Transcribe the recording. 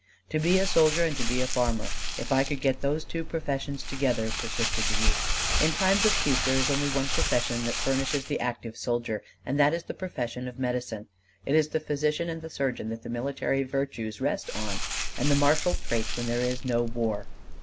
"To be a soldier and to be a farmer if I could get those two professions together," persisted the youth. "In times of peace there is only one profession that furnishes the active soldier: and that is the profession of medicine. It is the physician and the surgeon that the military virtues rest on; and the martial traits when there is no war.